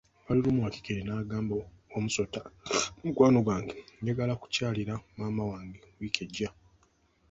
Lwali lumu, Wakikere n'agamba Wamusota, mukwano gwange, njagala kukyalira maama wange wiiki ejja.